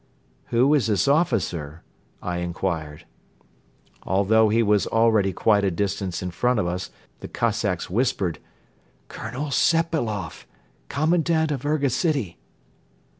"Who is this officer?" I inquired. Although he was already quite a distance in front of us, the Cossacks whispered: "Colonel Sepailoff, Commandant of Urga City."